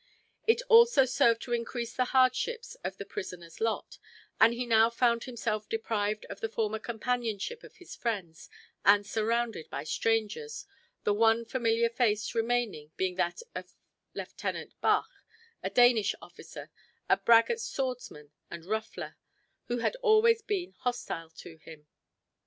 This also served to increase the hardships of the prisoner's lot, and he now found himself deprived of the former companionship of his friends and surrounded by strangers, the one familiar face remaining being that of Lieutenant Bach, a Danish officer, a braggart swordsman and ruffler, who had always been hostile to him.